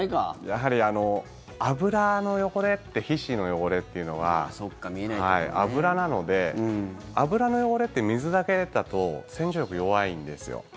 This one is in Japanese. やはり脂の汚れって皮脂の汚れっていうのは脂なので脂の汚れって水だけだと洗浄力弱いんですよ。